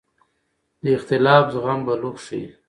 د اختلاف زغم بلوغ ښيي